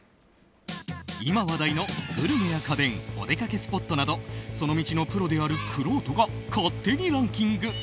今話題のグルメや家電お出かけスポットなどその道のプロであるくろうとが勝手にランキング。